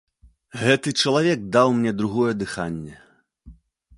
Гэты чалавек даў мне другое дыханне.